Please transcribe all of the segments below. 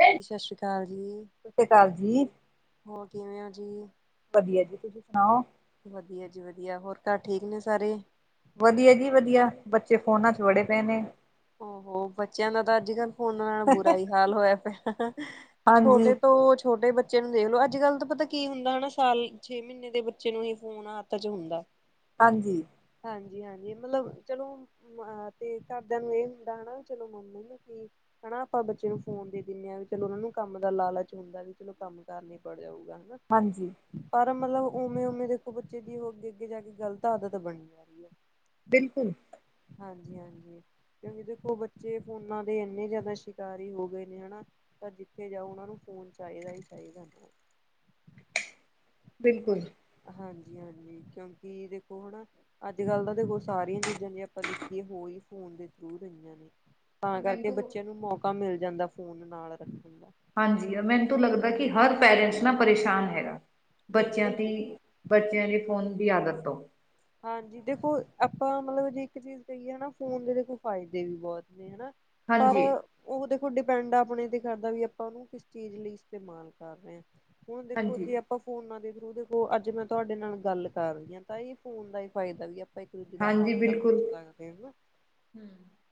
ਸਤਿ ਸਸ਼ੀ ਕਾਲ ਜੀ, ਸ਼੍ਰੀ ਅਕਾਲ ਜੀ, ਹੋਰ ਕਿਵੇਂ ਓ ਜੀ? ਵਧੀਆ ਜੀ ਤੁਸੀਂ ਸੁਣਾਓ। ਵਧੀਆ ਜੀ ਵਧੀਆ ਹੋਰ ਘਰ ਠੀਕ ਨੇ ਸਾਰੇ? ਵਧੀਆ ਜੀ ਵਧੀਆ ਬੱਚੇ ਫੋਨਾਂ 'ਚ ਵੜੇ ਪਏ ਨੇ। ਓਹੋ ਬੱਚਿਆਂ ਦਾ ਤਾਂ ਅੱਜ ਕੱਲ ਫੋਨਾਂ ਨਾਲ ਬੁਰਾ ਹੀ ਹਾਲ ਹੋਇਆ ਪਿਆ। ਹਾਂਜੀ, ਛੋਟੇ ਤੋਂ ਛੋਟੇ ਬੱ ਬੱਚੇ ਨੂੰ ਦੇਖ ਲੋ ਅੱਜ ਕੱਲ ਤਾਂ ਪਤਾ ਕੀ ਹੁੰਦਾ ਹਨਾ ਸਾਲ ਛੇ ਮਹੀਨੇ ਦੇ ਬੱਚੇ ਨੂੰ ਹੀ ਫੋਨ ਹੱਥ 'ਚ ਹੁੰਦਾ। ਹਾਂਜੀ ਹਾਂਜੀ-ਹਾਂਜੀ ਮਤਲਬ ਚਲੋ। ਅ ਤੇ ਘਰਦਿਆਂ ਨੂੰ ਇਹ ਹੁੰਦਾ ਹਨਾ ਵੀ ਚਲੋ [inaudible] ਕੀ ਹਨਾ ਆਪਾਂ ਬੱਚੇ ਨੂੰ ਫੋਨ ਦੇ ਦਿੰਨੇ ਹਾਂ ਵੀ ਚਲੋ ਉਹਨਾਂ ਨੂੰ ਕੰਮ ਦਾ ਲਾਲਚ ਹੁੰਦਾ ਵੀ ਚਲੋ ਕੰਮ ਕਰਨੀ ਪੜ ਜਾਊਗਾ ਹਨਾ। ਹਾਂਜੀ। ਪਰ ਮਤਲਬ ਉਵੇਂ-ਉਵੇਂ ਦੇਖੋ ਬੱਚੇ ਦੀ ਅੱਗੇ-ਅੱਗੇ ਜਾ ਕੇ ਗ਼ਲਤ ਆਦਤ ਬਣੀ ਜਾ ਰਹੀ ਏ। ਬਿਲਕੁਲ। ਹਾਂਜੀ-ਹਾਂਜੀ ਕਿਉਂਕਿ ਦੇਖੋ ਬੱਚੇ ਫੋਨਾ ਦੇ ਇੰਨੇ ਜ਼ਿਆਦਾ ਸ਼ਿਕਾਰ ਹੋ ਗਏ ਨੇ ਹਨਾ। ਤਾਂ ਜਿੱਥੇ ਜਾਓ ਉਹਨਾਂ ਨੂੰ ਫੋਨ ਚਾਹੀਦਾ ਹੀ ਚਾਹੀਦਾ। ਬਿਲਕੁਲ। ਹਾਂਜੀ-ਹਾਂਜੀ ਕਿਉਂਕਿ ਦੇਖੋ ਹਨਾ ਅੱਜਕੱਲ੍ਹ ਤਾਂ ਦੇਖੋ ਸਾਰੀਆਂ ਚੀਜ਼ਾਂ ਜੇ ਆਪਾਂ ਦੇਖੀਏ ਹੋ ਈ ਫੋਨ ਦੇ ਥਰੂ ਰਹੀਆਂ ਨੇ। ਤਾਂ ਮੈਨੂੰ ਕਰਕੇ ਤੂੰ ਬੱਚੇ ਨੂੰ ਮੌਕਾ ਮਿਲ ਜਾਂਦਾ ਫੋਨ ਨਾਲ ਰੱਖਣ ਦਾ। ਹਾਂਜੀ ਆ ਮੈਨੂੰ ਤੇ ਲੱਗਦਾ ਕਿ ਹਰ ਪੇਰੈਂਟਸ ਨਾਲ ਪਰੇਸ਼ਾਨ ਹੈਗਾ। ਬੱਚਿਆਂ ਬਿਲਕੁਲ ਦੀ, ਬਿਲਕੁਲ ਬੱਚਿਆਂ ਦੀ ਫੋਨ ਦੀ ਆਦਤ ਤੋਂ। ਹਾਂਜੀ ਦੇਖੋ ਆਪਾਂ ਮਤਲਬ ਜੇ ਇੱਕ ਚੀਜ਼ ਕਹੀਏ ਨਾ ਫੋਨ ਦੇ ਦੇ ਕੋਲ ਫ਼ਾਇਦੇ ਵੀ ਬਹੁਤ ਨੇ। ਹਨਾ ਪਰ ਹਾਂਜੀ। ਉਹ ਦੇਖੋ ਡਿਪੈਂਡ ਆਪਣੇ ਤੇ ਕਰਦਾ ਵੀ ਆਪਾਂ ਉਹਨੂੰ ਕਿਸ ਚੀਜ਼ ਲਈ ਇਸਤੇਮਾਲ ਕਰ ਰਹੇ ਆ। ਹੁਣ ਦੇਖੋ ਹਾਂਜੀ, ਜੀ ਆਪਾਂ ਫੋਨਾਂ ਦੇ ਥਰੂ ਦੇਖੋ ਅੱਜ ਮੈਂ ਤੁਹਾਡੇ ਨਾਲ ਗੱਲ ਕਰ ਰਹੀ ਆ ਤਾਂ ਈ ਫੋਨ ਦਾ ਹੀ ਫਾਇਦਾ ਵੀ ਆਪਾਂ ਇੱਕ-ਦੂਜੇ ਦਾ ਹਾਂਜੀ ਹਾਲ-ਚਾਲ ਬਿਲਕੁਲ, ਪੁੱਛ ਸਕਦੇ ਹਨਾ।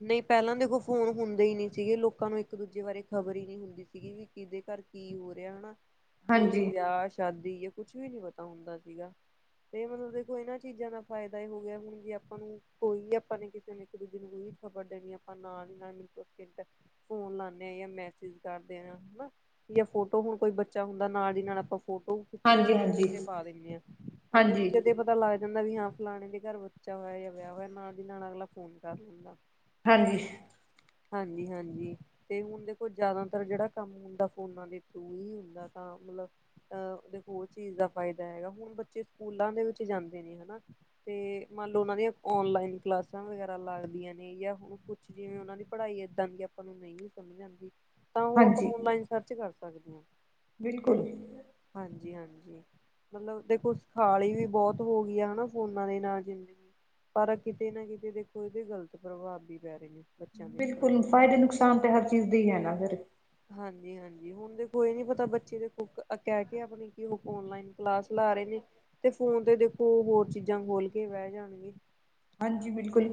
ਨਹੀਂ ਪਹਿਲਾਂ ਦੇਖੋ ਫੋਨ ਹੁੰਦੇ ਹੀ ਨੀ ਸੀਗੇ ਲੋਕਾਂ ਨੂੰ ਇੱਕ-ਦੂਜੇ ਬਾਰੇ ਖਬਰ ਈ ਨੀ ਹੁੰਦੀ ਸੀ। ਵੀ ਕਿਹਦੇ ਘਰ ਕੀ ਹੋ ਰਿਹਾ ਹਨਾ। ਕੋਈ ਹਾਂਜੀ, ਵਿਆਹ ਸ਼ਾਦੀ ਜਾਂ ਕੁਛ ਵੀ ਨਹੀਂ ਪਤਾ ਹੁੰਦਾ ਸੀਗਾ, ਤੇ ਮਤਲਬ ਦੇਖੋ ਇਹਨਾਂ ਚੀਜ਼ਾਂ ਦਾ ਫਾਇਦਾ ਹੀ ਹੋ ਗਿਆ ਹੁਣ ਜੇ ਆਪਾਂ ਨੂੰ ਕੋਈ ਆਪਾਂ ਨੇ ਕਿਸੇ ਨੇ ਇੱਕ-ਦੂਜੇ ਨੂੰ ਕੋਈ ਖ਼ਬਰ ਦੇਣੀ ਆਪਾਂ ਨਾਲ ਹੀ ਮ ਫੋਨ ਲਾਨੇ ਆ ਜਾਂ ਮੈਸੇਜ ਕਰਦੇ ਆ ਹਨਾ। ਜਾਂ ਫੋਟੋ ਹੁਣ ਕੋਈ ਬੱਚਾ ਹੁੰਦਾ ਨਾਲ ਦੀ ਨਾਲ ਆਪਾਂ ਫੋਟੋ ਖਿੱਚ ਕੇ ਹਾਂਜੀ, ਸਟੇਟਸ ਹਾਂਜੀ। ਤੇ ਪਾ ਦਿੰਨੇ ਆ, ਹਲੇ ਹਾਂਜੀ, ਜਦੇ ਪਤਾ ਲੱਗ ਜਾਂਦਾ ਵੀ ਹਾਂ ਫਲਾਣੇ ਦੇ ਘਰ ਬੱਚਾ ਹੋਇਆ ਜਾਂ ਵਿਆਹ ਹੋਇਆ ਨਾਲ ਦੀ ਨਾਲ ਅਗਲਾ ਫੋਨ ਕਰ ਲੈਂਦਾ। ਹਾਂਜੀ। ਹਾਂਜੀ- ਹਾਂਜੀ। ਤੇ ਹੁਨ ਦੇਖੋ, ਜੈਆਦਾਤਰ ਜੇਹੜਾ ਕੰਮ ਹੁੰਦਾ ਫੋਨਾਂ ਦੇ ਥਰੂ ਹੀ ਹੁੰਦਾ ਤਾਂ, ਮਤਲਬ ਅਹ ਦੇਖੋ ਹੋਰ ਚੀਜ਼ ਦਾ ਫਾਏਦਾ ਹੈਗਾ, ਹੁਣ ਬੱਚੇ ਸਕੂਲਾਂ ਦੇ ਵਿੱਚ ਜਾਂਦੇ ਨੇ ਹਨਾ ਤੇ ਮੰਨ ਲਓ, ਓਨਾਂ ਦੀਆਂ ਓਨਲਾਈਨ ਕਲਾਸਾਂ ਵਗੈਰਾ ਲੱਗਦੀਆਂ ਨੇ, ਯਾ ਹੁਣ ਕੁਛ ਜਿਵੇਂ ਓਨਾਂ ਦੀ ਪੜਾਈ ਏਦਾਂ ਦੀ ਆਪਾਂ ਨੂੰ ਨਈਂ ਵੀ ਸਮਝ ਆਂਦੀ ਤਾਂ ਓ ਆਪਾਂ ਹਾਂਜੀ ਓਨਲਾਈਨ ਸਰਚ ਕਰ ਸਕਦੇ ਆਂ। ਬਿਲਕੁਲ। ਹਾਂਜੀ -ਹਾਂਜੀ। ਮਤਲਬ ਦੇਖੋ ਸੋਖਾਲੀ ਵੀ ਬੌਤ ਹੋ ਗਈ ਐ ਨਾ, ਫੋਨਾ ਦੇ ਨਾਲ ਜਿੰਦਗੀ। ਪਰ ਕਿਤੇ ਨਾ ਕਿਤੇ ਦੇਖੋ, ਇਦੇ ਗਲਤ ਪ੍ਰਭਾਵ ਵੀ ਪੈ ਰਏ ਨੇ ਬੱਚਿਆਂ ਦੇ ਉੱਪਰ ਬਿਲਕੁਲ ਫਾਏਦੇ ਨੁਕਸਾਨ ਤੇ ਹਰ ਚੀਜ਼ ਦੇ ਈ ਹੈ ਨਾ ਫੇਰ ਹਾਂਜੀ- ਹਾਂਜੀ। ਹੁਨ ਦੇਖੋ ਏ ਨੀ ਪਤਾ ਬੱਚੇ ਦੇਖੋ ਅ ਕੇ ਆਪਨੀ ਕਿ ਓ ਓਨਲਾਈਨ ਕਲਾਸ ਲਾ ਰਏ ਨੇ। ਤੇ ਫੋਨ ਤੇ, ਦੇਖੋ ਓ ਹੋਰ ਚੀਜਾਂ ਖੋਲ ਕੇ ਬੈਹ ਜਾਣਗੇ। ਹਾਂਜੀ -ਬਿਲਕੁਲ।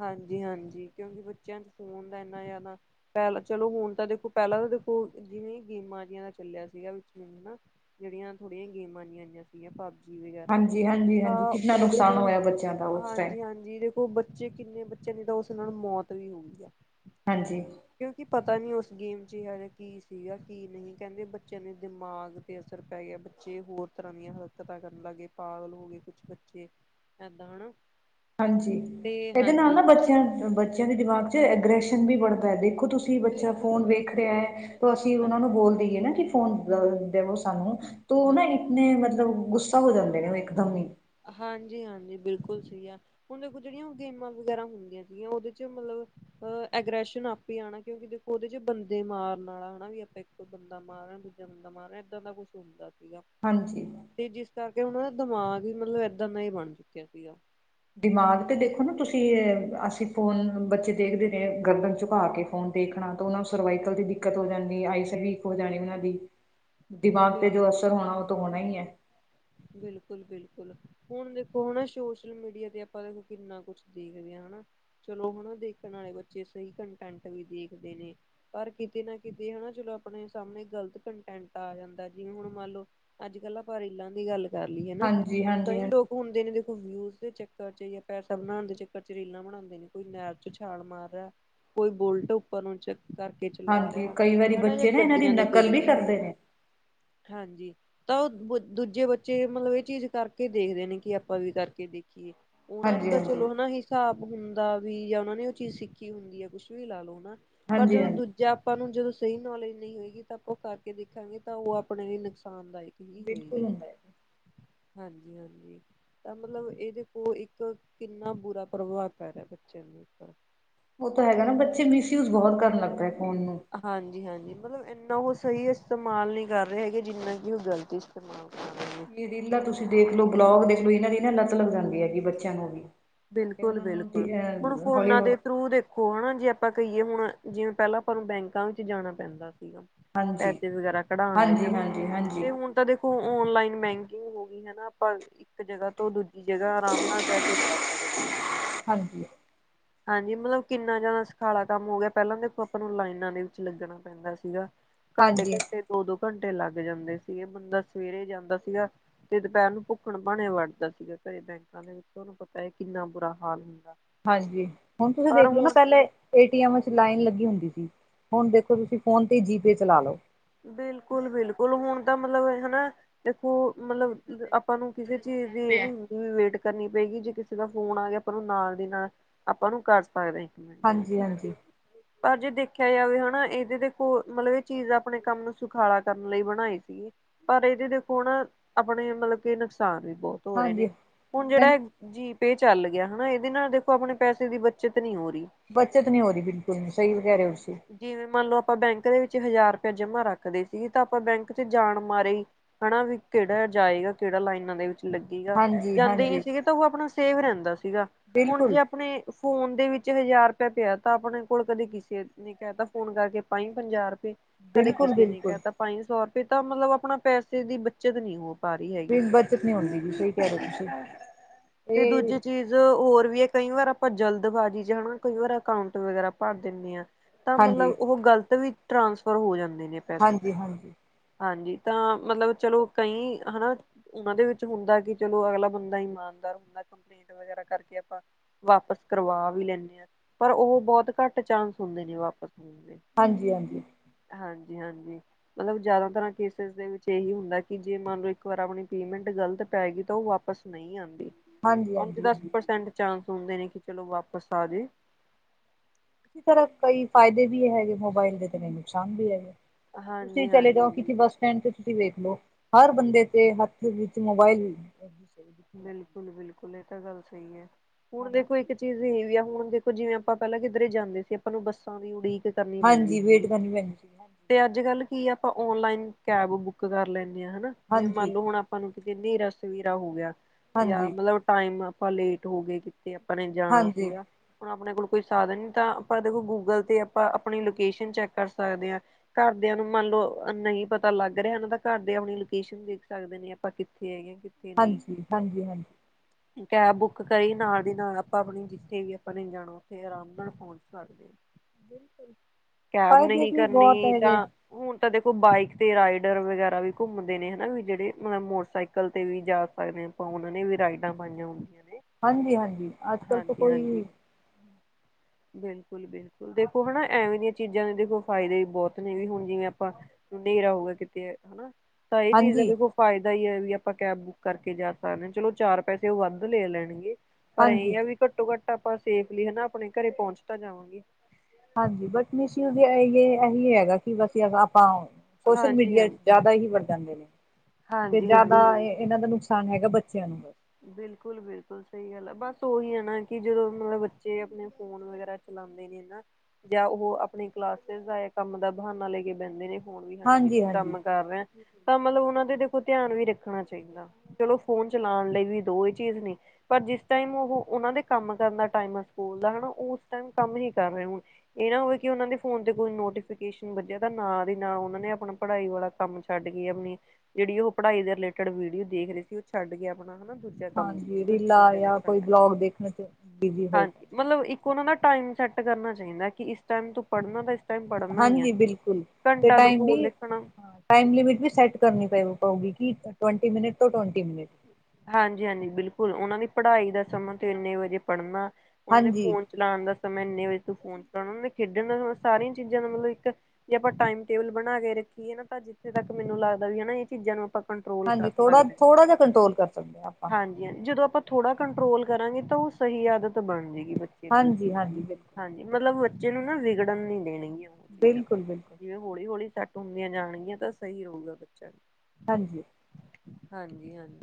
ਹਾਂਜੀ- ਹਾਂਜੀ ਕਿਉਂਕਿ ਬੱਚੇਆਂ ਨੂੰ ਫੋਨ ਦਾ ਇੰਨਾ ਐ ਨਾ ਪੈਲਾਂ ਚਲੋ ਹੁਨ ਤਾਂ ਦੇਖੋ, ਪੈਲਾਂ ਤਾਂ ਦੇਖੋ ਜਿਵੇਂ ਗੇਮਾਂ ਜੇਹੀਆਂ ਦਾ ਚੱਲੇਆ ਸੀਗਾ ਵਿੱਚ ਹੈਨਾ, ਜੇੜੀਆਂ ਥੋੜੀਆਂ ਗੇਮਾਂ ਜੀ ਆਈਆਂ ਪਬਜੀ ਵਗੈਰਾ ਹਾਂਜੀ ਹਾਂਜੀ ਹਾਂਜੀ ਤਾਂ, ਕਿੰਨਾ ਓਦੇ ਨੁਕਸਾਨ ਨਾਲ ਹੋਇਆ ਬੱਚਿਆਂ ਦਾ ਉਸ ਟਾਈਮ ਹਾਂਜੀ- ਹਾਂਜੀ ਦੇ ਓ ਬੱਚੇ, ਕਿੰਨੇ ਬੱਚੇਆਂ ਦੀ ਤਾਂ ਓਸ ਨਾਲ ਮੌਤ ਵੀ ਹੋਈ ਐ ਹਾਂਜੀ। ਕਿਉਂਕਿ ਪਤਾ ਨਈ ਓਸ ਗੇਮ 'ਚ ਐਹਾ ਜਾ ਕੀ ਸੀਗਾ ਕੀ ਨਈ ਕੈੰਦੇ ਬੱਚੇਆਂ ਦੇ ਦਮਾਗ ਅਸਰ ਪੈ ਗੇਆ, ਬੱਚੇ ਹੋਰ ਤਰਾਂ ਦੀਆਂ ਹਰਕਤਾਂ ਕਰਨ ਲੱਗ ਗਏ, ਪਾਗਲ ਹੋ ਗਏ ਕੁੱਛ ਬੱਚੇ। ਏਦਾਂ ਹੈਨਾ ਹਾਂਜੀ, ਏਦੇ ਨਾਲ ਨਾ ਬੱਚੇਆਂ-ਬੱਚੇਆਂ ਦੇ ਦਿਮਾਗ 'ਚ ਐਗਰੈਸ਼ਨ ਵੀ ਬਣਦਾ ਦੇਖੋ, ਤੁਸੀਂ ਤੁਸੀ, ਬੱਚਾ ਬਿਲਕੁਲ ਫੋਨ ਵੇਖ ਬਿਲਕੁਲ ਰੇਆ ਐ, ਤੋ ਅਸੀ ਓਨਾ ਨੂੰ ਹਾਂਜੀ ਬੋਲ ਦੇਈਏ ਨਾ ਕਿ ਫੋਨ ਦੇਵੋ ਸਾਨੂੰ, ਤੋ ਹਾਂ ਨਾ ਇਤਨੇ ਮਤਲਬ ਗੁੱਸਾ ਹੋ ਜਾਂਦੇ ਓ ਇਕਦਮ ਈ ਹਾਂਜੀ-ਹਾਂਜੀ, ਬਿਲਕੁਲ ਸਈ ਆ। ਹੁਨ ਦੇਖੋ ਜੇੜੀਆਂ ਗੇਮਾਂ ਵਗੈਰਾ ਹੁੰਦੀਆਂ ਸੀਗੀਆਂ ਓਦੇ 'ਚ ਮਤਲਬ ਅ ਐਗਰੈਸ਼ਨ ਆਪੇ ਈ ਆਨਾ, ਕਿਉਂਕਿ ਦੇਖੋ ਓਦੇ 'ਚ ਬੰਦੇ ਮਾਰਨ ਆਲਾ ਹਨਾ ਵੀ ਆਪੇ ਬੰਦਾ ਮਾਰ, ਦੂਜਾ ਬੰਦਾ ਮਾਰ, ਏਦਾਂ ਦਾ ਕੁਛ ਹੁੰਦਾ ਸੀਗਾ। ਹਾਂਜੀ। ਤੇ, ਜਿਸ ਕਰਕੇ ਓਨਾ ਦਾ ਦਮਾਗ ਵੀ ਮਤਲਬ ਏਦਾਂ ਦਾ ਈ, ਬਨ ਚੁੱਕੇਆ ਸੀਗਾ। ਦਿਮਾਗ ਤੇ ਦੇਖੋ ਨਾ, ਤੁਸੀਂ ਅਸੀ ਫੋਨ ਬੱਚੇ ਦੇਖਦੇ ਪਏ ਐਂ ਗਰਦਨ ਝੁਕਾ ਕੇ ਫੋਨ। ਦੇਖਣਾ ਤਾਂ, ਓਨਾਂ ਨੂੰ ਸਰਵਾਈਕਲ ਦੀ ਦਿੱਕਤ ਹੋ ਜਾਂਦੀ ਆਈਸ ਵੀਕ ਹੋ ਜਾਣੀ ਓਨਾਂ ਦੀ। [inaudible] ਦਿਮਾਗ ਤੇ ਜੋ ਅਸਰ ਹੋਣਾ ਓਹ ਤੋ ਹੋਨਾ ਈ ਐ। ਬਿਲਕੁਲ -ਬਿਲਕੁਲ। ਹੁਣ ਦੇਖੋ ਹੈਨਾ, ਸ਼ੋਸਲ ਮੀਡੀਆ ਤੇ ਆਪਾਂ ਦੇਖੋ ਕਿੰਨਾ ਕੁਛ ਦੇਖਦੇ ਆਂ, ਹਨਾ। ਚਲੋ ਹੈਨਾ, ਦੇਖਣ ਆਲੇ ਬੱਚੇ ਸਈ ਕੰਟੈਂਟ ਵੀ ਦੇਖਦੇ ਨੇ। ਪਰ ਕਿਤੇ ਨਾ ਕਿਤੇ ਹੈਨਾ ਚਲੋ ਆਪਣੇ ਸਾਮਣੇ ਗ਼ਲਤ ਕੰਟੈਂਟ ਆ ਜਾਂਦਾ, ਜਿਵੇਂ ਹੁਣ ਮੰਨ ਲਓ, ਅੱਜ ਕੱਲ ਆਪਾਂ ਰੀਲਾਂ ਦੀ ਗੱਲ ਕਰ ਲਈਏ ਨਾ, ਹਾਂਜੀ ਤਾਂ ਹਾਂਜੀ ਕਈ ਹਾਂਜੀ ਲੋਕ ਹੁਨ ਨੇ ਦੇਖੋ, ਵਿਊਜ਼ ਦੇ ਚੱਕਰ 'ਚ ਯਾ ਪੈਸਾ ਬਨਾਣ ਦੇ ਚੱਕਰ ਚ ਰੀਲਾਂ ਬਣਾਂਦੇ। ਕੋਈ ਨੈਰ 'ਚ ਛਾਲ ਮਾਰ ਰੇਆ, ਕੋਈ ਬੁਲਟ ਓਪਰ ਨੂੰ ਚੈੱਕ ਕਰਕੇ ਚਲਾ ਹਾਂਜੀ ਰੇਆ ਕਈ ਵਾਰੀ ਹਨਾ ਏ ਬੱਚੇ ਨਾ ਇਹਨਾਂ ਦੀ ਗੱਡੀਆਂ ਦੇ ਨਕਲ ਗੇੜੇ ਵੀ ਦੇ ਰਏ ਹੁੰਦੇ ਕਰਦੇ ਨੇ, ਹਾਂਜੀ। ਤਾਂ ਓਹ ਦੂਜੇ ਬੱਚੇ ਮਤਲਬ ਏ ਚੀਜ਼ ਕਰਕੇ ਦੇਖਦੇ ਨਈ ਕਿ ਆਪਾਂ ਵੀ ਕਰਕੇ ਦੇਖੀਏ। ਉਹਨਾਂ ਨੂੰ ਹਾਂਜੀ ਤਾਂ ਹਾਂਜੀ ਚਲੋ ਹਨਾ, ਹਿਸਾਬ ਹੁੰਦਾ ਵੀ ਜਾਂ ਓਹਨਾਂ ਨੇ ਉਹ ਚੀਜ਼ ਸਿੱਖੀ ਹੁੰਦੀ ਆ, ਕੁਛ ਵੀ ਲਾ ਲਓ ਹਨਾ। ਪਰ ਹਾਂਜੀ ਜਦੋਂ ਹਾਂਜੀ ਦੂਜਾ ਆਪਾਂ ਨੂੰ ਜਦੋਂ ਸਹੀ ਨੌਲੇਜ ਨਈ ਹੋਏਗੀ ਤਾਂ ਆਪਾਂ ਓ ਕਰਕੇ ਦੇਖਾਂਗੇ। ਤਾਂ ਉਹ ਆਪਣੇ ਵੀ ਨੁਕਸਾਨਦਾਇਕ ਹੀ ਬਿਲਕੁਲ ਹੋਏਗੀ ਹੁੰਦਾ ਹੈ ਹਾਂਜੀ- ਹਾਂਜੀ ਤਾਂ ਮਤਲਬ ਇਹਦੇ ਕੋਲ ਇੱਕ ਕਿੰਨਾ ਬੁਰਾ ਪ੍ਰਭਾਵ ਪੈ ਰਿਹਾ ਬੱਚੇਆਂ ਦੇ ਉਪਰ। ਓ ਤਾਂ ਹੈਗਾ ਨਾ ਬੱਚੇ ਮਿਸਯੂਜ ਬੋਹਤ ਕਰਨ ਲੱਗ ਪਏ ਫੋਨ ਨੂੰ। ਹਾਂਜੀ- ਹਾਂਜੀ ਮਤਲਬ ਏਨਾ ਉਹਸਹੀ ਇਸਤੇਮਾਲ ਨਹੀਂ ਕਰ ਰਹੇ ਹੈਗੇ ਜਿੰਨਾ ਕਿ ਉਹ ਗ਼ਲਤ ਇਸਤੇਮਾਲ ਰਹੇ ਨੇ ਵੀ ਰੀਲਾਂ ਤੁਸੀਂ ਦੇਖਲੋ, ਬਲੋਗ ਦੇਖਲੋ, ਏਹਨਾਂ ਦੀ ਨਾ ਲੱਤ ਲਗ ਜਾਂਦੀ ਹੈਗੀ ਬੱਚਿਆਂ ਨੂੰ ਵੀ। ਤੇ ਬਿਲਕੁਲ ਉਹਨਾਂ ਨੂੰ -ਬਿਲਕੁਲ ਹੁਣ ਅ ਹੌਲੀ ਫੋਨਾਂ ਦੇ ਹੌਲੀ ਥਰੂ ਦੇ ਹਨਾ ਜੇ ਆਪਾਂ ਕਹੀਏ ਹੁਣ ਜਿਵੇਂ ਪਹਿਲਾਂ ਆਪਾਂ ਨੂੰ ਬੈਂਕਾਂ ਵਿੱਚ ਜਾਣਾ ਪੈਂਦਾ ਸੀਗਾ। ਹਾਂਜੀ ਪੈਸੇ ਵਗੈਰਾ ਕਢਾਣ ਲਈ ਹਾਂਜੀ ਹਨਾ, ਹਾਂਜੀ ਹਾਂਜੀ ਤੇ ਹੁਣ ਤਾਂ ਦੇਖੋ ਹੁਨ ਔਨਲਾਈਨ ਬੈਕਿੰਗ ਹੋ ਗਈ ਹਨਾ, ਆਪਾਂ ਇੱਕ ਜਗ੍ਹਾ ਤੋਂ ਦੂਜੀ ਜਗ੍ਹਾ ਆਰਾਮ ਨਾਲ ਪੈਸੇ ਪਾ ਸਕਦੇ। ਹਾਂਜੀ। ਹਾਂਜੀ ਮਤਲਬ ਕਿੰਨਾ ਜ਼ਿਆਦਾ ਸਖਾਲਾ ਕੰਮ ਹੋ ਗਿਆ, ਪਹਿਲਾਂ ਦੇਖੋ ਆਪਾਂ ਨੂੰ ਲਾਈਨਾਂ ਦੇ ਵਿੱਚ ਲੱਗਨਾ ਪੈਂਦਾ ਸੀਗਾ ਘੰਟੇ ਹਾਂਜੀ -ਘੰਟੇ ਦੋ- ਦੋ ਘੰਟੇ ਲੱਗ ਜਾਂਦੇ ਸੀਗੇ, ਬੰਦਾ ਸਵੇਰੇ ਜਾਂਦਾ ਸੀਗਾ ਤੇ ਦੁਪਹਿਰ ਨੂੰ ਭੁੱਖਣ -ਭਾਣੇ ਵੱੜਦਾ ਸੀਗਾ ਘਰੇ, ਬੈਂਕਾਂ ਦੇ ਵਿੱਚ ਤਾਨੂੰ ਪਤਾ ਹੈ ਕਿੰਨਾ ਬੁਰਾ ਹਾਲ ਹੁੰਦਾ ਹਾਂਜੀ ਹੁਣ ਤੁਸੀਂ ਪਰ ਦੇਖ ਲਓ ਨਾ ਹੁਣ ਪੇਲੇ ਏ- ਟੀ-ਐਮ ਚ, ਲਾਈਨ ਲੱਗੀ ਹੁੰਦੀ ਸੀ, ਹੁਣ ਦੇਖੋ ਤੁਸੀਂ ਫੋਨ ਤੇ ਜੀਪੇ ਚਲਾ ਲੋ ਬਿਲਕੁਲ- ਬਿਲਕੁਲ ਹੁਣ ਤਾਂ ਮਤਲਬ ਏ ਹਨਾ ਦੇਖੋ ਮਤਲਬ ਆਪਾਂ ਨੂੰ ਕਿਸੇ ਚੀਜ਼ ਦੀ ਇਹ ਨੀ ਵੀ ਵੇਟ ਕਰਨੀ ਪਏਗੀ, ਜੇ ਕਿਸੇ ਦਾ ਫੋਨ ਆ ਗਿਆ ਆਪਾਂ ਓਨੂੰ ਨਾਲ ਦੀ ਨਾਲ ਆਪਾਂ ਓਨੂੰ ਕਰ ਸਕਦੇ। ਹਾਂਜੀ ਹਾਂਜੀ ਪਰ ਜੇ ਦੇਖਿਆ ਜਾਵੇ ਹਨਾ, ਇਹਦੇ ਦੇ ਕੋ ਮਤਲਬ ਏ ਚੀਜ਼ ਆਪਣੇ ਕੰਮ ਨੂੰ ਸੁਖਾਲਾ ਕਰਨ ਲਈ ਬਣਾਏ ਸੀ। ਪਰ ਏਦੇ ਦੇਖੋ ਨਾ, ਆਪਣੇ ਮਤਲਬ ਕਿ ਨੁਕਸਾਨ ਵੀ ਬੋਤ ਹੋ ਰਹੇ ਹਾਂਜੀ ਨੇ ਹੁਣ ਜੇੜਾ ਮ ਏ ਜੀ ਪੇ ਚੱਲ ਗੇਆ ਹਨਾ, ਏਦੇ ਨਾਲ ਦੇਖੋ ਆਪਣੇ ਪੈਸੇ ਦੀ ਬੱਚਤ ਨਈ ਹੋ ਰਈ। ਬੱਚਤ ਨਈ ਹੋ ਰਈ ਬਿਲਕੁਲ ਵੀ, ਸਹੀ ਕੈ ਰਹੇ ਓ ਤੁਸੀ। ਜਿਵੇਂ ਮੰਨ ਲਓ ਆਪਾਂ ਬੈਂਕ ਦੇ ਵਿੱਚ ਹਜ਼ਾਰ ਰੁਪਇਆ ਜਮਾ ਰੱਖਦੇ ਸੀ, ਤਾਂ ਆਪਾਂ ਬੈਂਕ ਚ ਜਾਣ ਮਾਰੇ ਹਨਾ ਵੀ ਕੇਹੜਾ ਜਾਏਗਾ, ਕੇਹੜਾ ਲਾਈਨਾਂ ਦੇ ਵਿੱਚ ਲੱਗੇਗਾ, ਹਾਂਜੀ ਜਾਂਦੇ ਨੀ ਹਾਂਜੀ ਸੀਗੇ ਤਾਂ ਉਹ ਆਪਣਾ ਸੇਫ ਰੇਂਦਾ ਸੀਗਾ ਹੁਣ ਬਿਲਕੁਲ ਜੇ ਆਪਣੇ ਫੋਨ ਦੇ ਵਿੱਚ ਹਜ਼ਾਰ ਰੁਪਇਆ ਪਿਆ ਤਾਂ ਆਪਣੇ ਕੋਲ ਕਦੇ ਕਿਸੇ ਨੇ ਕੈਤਾ ਫੋਨ ਕਰਕੇ ਪਾਈ ਪੰਜਾਹ ਰੁਪਏ, ਕਦੇ ਬਿਲਕੁਲ ਕਿਸੇ ਨੇ ਬਿਲਕੁਲ ਕੈਤਾ ਪਾਈ ਸੌ ਰੁਪਏ, ਤਾਂ ਮਤਲਬ ਆਪਣਾ ਪੈਸੇ ਦੀ ਬੱਚਤ ਨੀ ਹੋ ਪਾ ਰਹੀ ਹੈਗੀ ਬ ਬੱਚਤ ਨੀ ਹੁੰਦੀ ਵੀ, ਸਹੀ ਕਹਿ ਰਹੇ ਤੁਸੀਂ ਤੇ ਦੂਜੀ ਇਹ ਚੀਜ਼ ਜ ਔਰ ਵੀ ਆ, ਕਈ ਵਾਰ ਆਪਾਂ ਜਲਦਬਾਜ਼ੀ ਚ ਹਨਾ ਕਈ ਵਾਰ ਅਕਾਊਂਟ ਵਗੈਰਾ ਭਰ ਦਿੰਦੇ ਆ। ਤਾਂ ਮਤਲਬ ਹਾਂਜੀ ਉਹ ਗ਼ਲਤ ਵੀ ਟ੍ਰਾਂਸਫਰ ਹੋ ਜਾਂਦੇ ਨੇ ਪੈਸੇ। ਹਾਂਜੀ ਹਾਂਜੀ ਹਾਂਜੀ ਹਾਂਜੀ ਤਾਂ ਮਤਲਬ ਚਲੋ ਕਈ ਹਨਾ ਓਦੇ ਵਿੱਚ ਹੁੰਦਾ ਕਿ, ਚਲੋ ਅਗਲਾ ਬੰਦਾ ਇਮਾਨਦਾਰ ਕੰਪਲੇਂਟ ਵਗੈਰਾ ਕਰਕੇ ਆਪਾਂ ਵਾਪਿਸ ਕਰਵਾ ਵੀ ਲੇਨੇ ਆ। ਪਰ ਉਹ ਬਹੁਤ ਘੱਟ ਚਾਂਸ ਹੁੰਦੇ ਨੇ ਵਾਪਸ ਆਣ ਦੇ ਹਾਂਜੀ -ਹਾਂਜੀ। ਹਾਂਜੀ- ਹਾਂਜੀ। ਮਤਲਬ ਜਾਦਾ ਤਰਾ ਕੇਸਿਸ ਦੇ ਵਿੱਚ ਏਹੀ ਹੁੰਦਾ ਕਿ, ਜੇ ਮਨ ਲਓ, ਇੱਕ ਵਾਰ ਆਪਣੀ ਪੇਮੈਂਟ ਗਲਤ ਪੈਗੀ ਤਾਂ ਉਹ ਵਾਪਸ ਨਹੀਂ ਆਉਂਦੀ, ਹਾਂਜੀ ਪੰਜ ਹਾਂਜੀ ਦਸ ਇਸੀ ਪ੍ਰਸੈਂਟ ਚਾਂਸ ਹੁੰਦੇ ਨੇ ਕਿ ਚਲੋ ਵਾਪਸ ਆ ਜੇ ਤਰ੍ਹਾਂ ਕਈ ਫਾਇਦੇ ਵੀ ਹੈਗੇ ਮੋਬਾਇਲ ਦੇ ਨੁਕਸਾਨ ਵੀ ਹੈਗੇ ਤੁਸੀਂ ਹਾਂਜੀ ਚਲੇ ਹਾਂਜੀ ਜਾਓ ਬਿਲ ਕਿਸੀ ਬੱਸ ਸਟੈਂਡ ਤੇ ਤੁਸੀਂ ਵੇਖ ਲੋ, ਹਰ ਬੰਦੇ ਤੇ ਹੱਥ ਵਿੱਚ ਮੋਬਾਇਲ ਬਿਲਕੁਲ-ਬਿਲਕੁਲ ਇਹ ਤਾਂ ਗੱਲ ਸਹੀ ਐ, ਹੁਣ ਹਨਾ ਦੇਖੋ ਇੱਕ ਚੀਜ਼ ਵੀ ਆ ਹੁਣ ਦੇਖੋ ਜਿਵੇਂ ਆਪਾਂ ਪਹਿਲਾਂ ਕਿੱਧਰੇ ਜਾਂਦੇ ਸੀ, ਆਪਾਂ ਨੂੰ ਬੱਸਾਂ ਦੀ ਉਡੀਕ ਕਰਨੀ ਪੈਂਦੀ ਹਾਂਜੀ, ਵੇਟ ਸੀਗੀ ਕਰਨੀ ਪੈ ਤੇ ਅੱਜ ਕੱਲ ਕੀ ਆ ਆਪਾਂ ਓਨਲਾਈਨ ਕੈਬ ਬੁੱਕ ਕਰ ਲੈਂਦੇ ਹਾਂ, ਹਨਾ? ਜਿਵੇਂ ਹਾਂਜੀ ਮੰਨ ਲਓ ਹੁਣ ਆ ਆਪਾਂ ਨੂੰ ਕਿਤੇ ਹਨੇਰਾ ਸਵੇਰਾ ਹੋ ਗਿਆ ਜਾਂ ਹਾਂਜੀ ਮਤਲਬ ਟਾਈਮ ਆਪਾਂ ਲੇਟ ਹੋ ਗਏ ਕਿ ਤੇ ਆਪਾਂ ਨੇ ਜਾਣਾ ਹਾਂਜੀ ਸੀਗਾ ਹੁਣ ਆਪਣੇ ਕੋਲ ਕੋਈ ਸਾਧਨ ਨੀ ਤਾਂ ਆਪਾਂ ਦੇਖੋ ਗੂਗਲ ਤੇ ਆਪਾਂ ਆਪਣੀ ਲੋਕੇਸ਼ਨ ਚੈਕ ਕਰ ਸਕਦੇ ਹਾਂ। ਘਰਦਿਆਂ ਨੂੰ ਮੰਨ ਲਓ ਨਹੀਂ ਪਤਾ ਲੱਗ ਰਿਹਾ ਨਾ ਤਾਂ ਘਰ ਦੇ ਆਪਣੀ ਲੋਕੇਸ਼ਨ ਦੇਖ ਸਕਦੇ ਨੇ। ਆਪਾਂ ਕਿੱਥੇ ਹੈਗੇ ਆ ਕਿ ਹਾਂਜੀ ਹਾਂਜੀ ਹਾਂਜੀ। ਕੈਬ ਬੁੱਕ ਕਰੀ ਨਾਲ ਦੀ ਨਾਲ ਆਪਾਂ ਆਪਣੀ ਜਿੱਥੇ ਵੀ ਆਪਾਂ ਨੇ ਜਾਣਾ ਉੱਥੇ ਆਰਾਮ ਨਾਲ ਪਹੁੰਚ ਸਕਦੇ ਹਾਂ, ਕੈਬ ਫ਼ਾਇਦੇ ਨਹੀਂ ਵੀ ਬਹੁਤ ਕਰਨੀ ਹੈਗੇ। ਤਾਂ ਹੁਣ ਤਾਂ ਦੇਖੋ ਬਾਈਕ ਤੇ ਰਾਈਡਰ ਵਗੈਰਾ ਵੀ ਘੁੰਮਦੇ ਨੇ ਹਨਾ? ਵੀ ਜਿਹੜੇ ਮਤਲਬ ਮੋਟਰਸਾਈ ਕਲ ਤੇ ਵੀ ਜਾ ਸਕਦੇ ਹ ਆਪਾਂ, ਉਹਨਾਂ ਨੇ ਵੀ ਰਾਈਡਾਂ ਪਾਈਆਂ ਹੁੰਦੀਆਂ ਨੇ। ਹਾਂਜੀ ਹਾਂਜੀ, ਅੱਜ ਕੱਲ੍ਹ ਤੋਂ ਹਾਂਜੀ ਹਾਂਜੀ ਕੋਈ ਬਿਲਕੁਲ ਬਿਲਕੁਲ ਦੇਖੋ ਹਨਾ, ਐਵੇਂ ਦੀਆਂ ਚੀਜ਼ਾਂ ਦੇ ਦੇਖੋ ਫਾਇਦੇ ਬਹੁਤ ਨੇ ਵੀ ਹੁਣ, ਜਿਵੇਂ ਆਪਾਂ- ਹਨੇਰਾ ਹੋਊਗਾ ਕਿਤੇ ਹਨਾ ਤਾਂ ਇਹ ਚੀਜ਼ ਹੈ ਹਾਂਜੀ, ਦੇਖੋ ਫਾਇਦਾ ਹੀ ਹੈ ਵੀ ਆਪਾਂ ਕੈਬ ਬੁੱਕ ਕਰਕੇ ਜਾ ਸਕਦੇ ਹਾਂ, ਚਲੋ ਚਾਰ ਪੈਸੇ ਉਹ ਵੱਧ ਲੈ ਲੈਣਗੇ ਪਰ ਹਾਂਜੀ, ਇਹ ਆ ਵੀ ਘੱਟੋ ਘੱਟ ਆਪਾਂ ਸੇਫਲੀ ਹਨਾ ਆਪਣੇ ਘਰੇ ਪਹੁੰਚ ਤਾਂ ਜਾਵਾਂਗੇ। ਹਾਂਜੀ, ਬਟ ਮਿਸ ਯੂਸ ਇਹੀ ਹੈਗਾ ਕਿ ਬਸ ਆਪਾਂ ਸੋਸ਼ਲ ਹਾਂਜੀ ਮੀਡੀਆ ਚ ਹਾਂਜੀ ਜ਼ਿਆਦਾ ਹੀ ਵੜ੍ਹ ਜਾਂਦੇ ਨੇ ਤੇ ਹਾਂਜੀ ਜ਼ਿਆਦਾ ਹਾਂਜੀ ਇਹ ਇਹਨਾਂ ਦਾ ਨੁਕਸਾਨ ਹੈਗਾ ਬੱਚਿਆਂ ਨੂੰ [inaudible] ਬਿਲਕੁਲ-ਬਿਲਕੁਲ, ਸਹੀ ਗੱਲ ਆ ਬਸ ਉਹੀ ਹੈ ਨਾ ਕਿ ਜਦੋਂ ਮਤਲਬ ਬੱਚੇ ਆਪਣੇ ਫੋਨ ਵਗੈਰਾ ਚਲਾਉਂਦੇ ਨੇ ਨਾ ਜਾਂ ਉਹ ਆਪਣੇ ਕਲਾਸਿਸ ਦਾ ਕੰਮ ਦਾ ਬਹਾਨਾ ਲੈ ਕੇ ਬਹਿੰਦੇ ਨੇ। ਹਾਂਜੀ -ਹਾਂਜੀ ਅਸੀਂ ਕੰਮ ਕਰ ਰਹੇ ਤਾਂ ਮਤਲਬ ਉਹਨਾਂ ਦਾ ਦੇਖੋ ਧਿਆਨ ਵੀ ਰੱਖਣਾ ਚਾਹੀਦਾ, ਚਲੋ ਫੋਨ ਚਲਾਉਣ ਲਈ ਵੀ ਦੋ ਹੀ ਚੀਜ਼ ਨੀ। ਪਰ ਜਿਸ ਟਾਈਮ ਉਹੋ ਓਹਨਾ ਦੇ ਕੰਮ ਕਰਨ ਦਾ ਟਾਈਮ ਸਕੂਲ ਦਾ ਓਸ ਟਾਈਮ ਕਮ ਹੀ ਕਰ ਰਹੇ ਹੋਣ। ਇਹ ਨਾ ਹੋਵੇ ਕਿ ਉਹਨਾ ਦੇ ਫੋਨ ਤੇ ਕੋਈ ਨੋਟੀਫਿਕੇਸ਼ਨ ਵਜੇ ਨਾਲ ਹੀ ਨਾਲ ਉਹਨਾਂ ਨੇ ਆਪਣਾ ਪੜ੍ਹਾਈ ਵਾਲਾ ਕੰਮ ਛੱਡ ਗਈ, ਆਪਣੀ ਜਿਹੜੀ ਉਹ ਪੜ੍ਹਾਈ ਦੇ ਰਿਲੇਟਿਡ ਵੀਡੀਓ ਦੇਖ ਰਹੇ ਸੀ, ਉਹ ਛੱਡ ਗਿਆ ਆਪਣਾ ਹਨਾ? ਦੂਜਾ ਕੰਮ ਹਾਂਜੀ, ਦੂਜੀ ਰੀਲਾਂ ਚੀਜ਼ਾਂ ਜਾਂ ਦੇਖਣ ਕੋਈ ਲੱਗ ਗਏ ਬਲੋਗ ਦੇਖਣ ਚ ਬਿਜੀ ਹੋਏ ਹਾਂਜੀ ਮਤਲਬ ਇਕ ਉਹਨਾ ਦਾ ਟਾਈਮ ਸੈਟ ਕਰਨਾ ਚਾਹੀਦਾ, ਕਿ ਇਸ ਟਾਈਮ- ਪੜ੍ਹਨਾ ਤਾਂ ਇਸ ਟਾਈਮ ਪੜ੍ਹਨਾ ਹੀ ਹੈ। ਹਾਂਜੀ ਬਿਲਕੁਲ ਤੇ ਘੰਟਾ ਤੋਂ ਟਾਈਮ ਫੋਨ ਵੀ ਦੇਖਣਾ- ਟਾਈਮ ਲਿਮਿਟ ਵੀ ਸੈੱਟ ਕਰਨੀ ਪੈ ਪਊਗੀ, ਕਿ ਟਵੈਨਟੀ ਮਿੰਟ ਤੋਂ ਟਵੈਨਟੀ ਮਿਟ- ਹਾਂਜੀ- ਹਾਂਜੀ, ਬਿਲਕੁਲ ਉਹਨਾ ਦੀ ਪੜ੍ਹਾਈ ਦਾ ਸਮਾ ਤੋ ਇਨੇ ਵਜੇ ਪੜ੍ਹਨਾ, ਉਹਨਾ ਦੇ ਹਾਂਜੀ ਫੋਨ- ਚਲਾਉਣ ਦਾ ਸਮਾਂ ਇਨੇ ਵਜੇ ਤੂੰ ਫੋਨ ਚਲਾਉੇ, ਖੇਡਣ ਦਾ ਸਮਾ ਸਾਰੀਆਂ ਚੀਜਾ ਦਾ ਮਤਲਬ ਇਕ- ਜੇ ਆਪਾ ਟਾਈਮ ਟੇਬਲ ਬਣਾ ਕੇ ਰੱਖੀਏ ਨਾ ਤਾਂ ਜਿਥੇ ਤੱਕ ਮੈਨੂੰ ਲਗਦਾ ਵੀ ਇਹ ਚੀਜਾ ਨੂੰ- ਆਪਾਂ ਕੰਟਰੋਲ ਹਾਂਜੀ, ਕਰ ਥੋੜਾ- ਸਕਦੇ ਹਾਂ ਥੋੜਾ ਜਿਹਾ ਕੰਟਰੋ ਕਰ ਸਕਦੇ ਹਾਂ। ਹਾਂਜੀ- ਹਾਂਜੀ, ਜਦੋ ਆਪਾ ਥੋੜ੍ਹਾ ਕੰਟਰੋਲ ਕਰਾਂਗੇ ਤਾਂ ਉਹ ਸਹੀ ਆਦਤ ਬਣ ਜਾਏਗੀ ਬ- ਹਾਂਜੀ- ਹਾਂਜੀ, ਬਿਲ- ਹਾਂਜੀ, ਮਤਲਬ ਬੱਚੇ ਨੂੰ ਨਾ ਵਿਗੜਨ ਨੀ ਦੇਣਗੀਆਂ, ਉਹ ਚੀਜਾ ਬਿਲਕੁਲ ਬਿਲਕੁਲ - ਹੌਲੀ-ਹੌਲੀ ਸੈਟ ਹੁੰਦੀਆਂ ਜਾਣਗੀਆਂ ਤਾਂ ਸਹੀ ਰਹੂਗਾ, ਬੱਚਾ ਹਾਂਜੀ। ਹਾਂਜੀ- ਹਾਂਜੀ।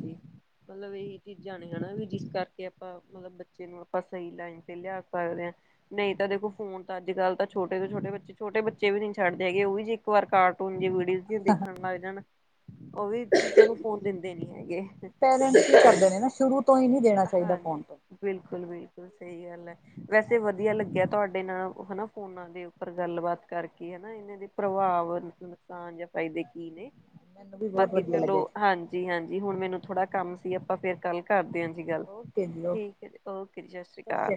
ਮਤਲਬ ਏਹੀ ਚੀਜਾ ਨੇ ਹਨਾ ਵੀ ਜਿਸ ਕਰਕੇ ਆਪਾ- ਮਤਲਬ, ਬੱਚੇ ਨੂੰ ਆਪਾ ਸਹੀ ਲਾਈਨ ਤੇ ਲਿਆ ਸਕਦੇ ਆ ਨਈ ਤਾਂ ਦੇਖੋ ਫੋਨ ਤਾਂ ਅੱਜ ਕੱਲ੍ਹ ਤਾਂ ਛੋਟੇ ਤੋਂ ਛੋਟੇ ਬੱਚੇ ਛੋਟੇ ਬੱਚੇ ਵੀ ਨੀ ਛੱਡਦੇ ਹੈਗੇ ਓ ਵੀ ਇਕ ਵਾਰ ਕਾਰਟੂਨ ਦੀਆ ਵੀਡੀਓ ਜੀਆ ਦੇਖਣ ਲੱਗ ਜਾਣ, ਓ ਵੀ ਕਿਸੇ ਨੂੰ ਫੋਨ ਦਿੰਦੇ ਨੀ। ਹੈਗੇ- ਪੇਰੈਟਸ ਕੀ ਕਰਦੇ ਨੇ ਨਾ, ਸ਼ੁਰੂ ਤੋ ਹੀ ਏਨੂੰ ਹਾਂਜੀ, ਬਿਲਕੁਲ-ਬਿਲਕੁਲ ਸਹੀ ਗੱਲ ਐ, ਵੈਸੇ ਵਧੀਆ ਲੱਗੇਆ, ਤੁਆਡੇ ਨਾ ਹਨਾ ਫੋਨਾ ਦੇ ਓਪਰ ਗੱਲਬਾਤ ਕਰਕੇ ਹਨਾ, ਏਨਾ ਦੇ ਪ੍ਰਭਾਵ ਨੁਕਸਾਨ ਜਾਂ ਫਾਇਦੇ ਕੀ ਨੇ? ਮੈਨੂੰ ਵੀ ਬਹੁਤ ਬਾਕੀ ਵਧੀਆ ਚਲੋ ਲੱਗਿਆ ਜੀ ਹਾਂਜੀ-ਹਾਂਜੀ, ਹੁਣ ਮੈਨੂੰ ਥੋੜਾ ਕੰਮ ਸੀ ਆਪਾ ਫੇਰ ਕੱਲ ਕਰਦੇ ਹਾਂ ਠੀਕ ਐ ਓਕੇ ਓਕੇ ਜੀ, ਓਕੇ ਜੀ, ਸਤਿ ਸ਼੍ਰੀ ਅਕਾਲ।